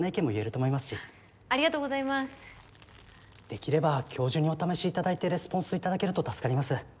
できれば今日中にお試しいただいてレスポンスいただけると助かります。